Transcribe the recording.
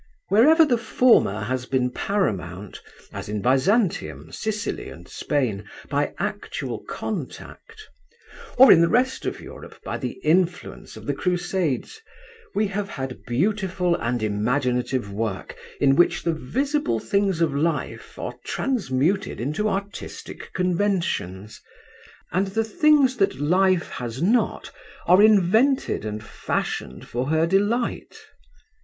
Wherever the former has been paramount, as in Byzantium, Sicily and Spain, by actual contact, or in the rest of Europe by the influence of the Crusades, we have had beautiful and imaginative work in which the visible things of life are transmuted into artistic conventions, and the things that Life has not are invented and fashioned for her delight.